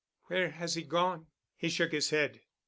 "Where has he gone?" He shook his head.